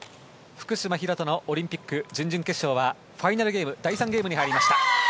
福島、廣田のオリンピック準々決勝はファイナルゲーム第３ゲームに入りました。